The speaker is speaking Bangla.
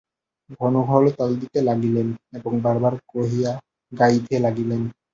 ঘন ঘন তাল দিতে লাগিলেন এবং বারবার করিয়া গাহিতে লাগিলেন।